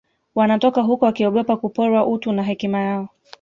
wanatoka huko wakiogopa kuporwa utu na hekima yao